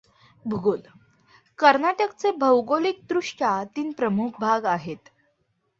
भूगोल कर्नाटकाचे भौगोलिक दृष्ट्या तीन प्रमुख भाग आहेत.